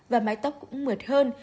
và mái tóc cũng mượt hơn